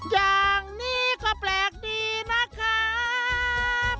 อย่างนี้ก็แปลกดีนะครับ